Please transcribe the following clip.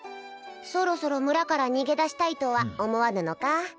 そろそろ村から逃げ出したいとは思わぬのか？